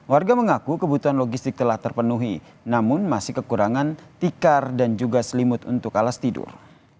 warga mengaku kebutuhan logistik telah terpenuhi namun masih kekurangan tikar dan juga selimut untuk alas tidur